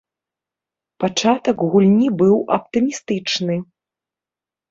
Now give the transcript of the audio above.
Пачатак гульні быў аптымістычны.